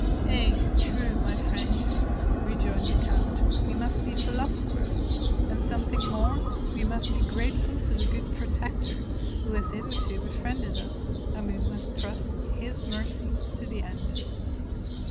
"Ay, true, my friend," rejoined the count; "we must be philosophers and something more; we must be grateful to the good Protector who has hitherto befriended us, and we must trust His mercy to the end."